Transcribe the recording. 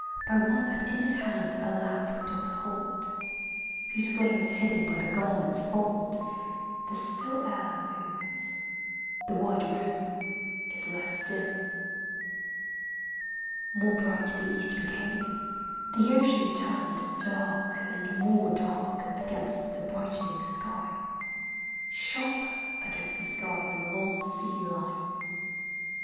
39 By one that in his hand a lamp doth hold, Whose flame is hidden by the garment's fold — The still air moves, the wide room is less dim. More bright the East became, the ocean turned Dark and more dark against the brightening «ky, — Sharper against the sky the long sea line.